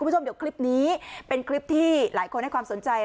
คุณผู้ชมเดี๋ยวคลิปนี้เป็นคลิปที่หลายคนให้ความสนใจ